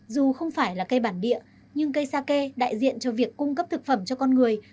dù không phải là cây bản địa nhưng cây sake đại diện cho việc cung cấp thực phẩm cho con người